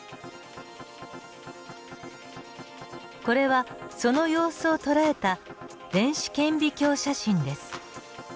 これはその様子を捉えた電子顕微鏡写真です。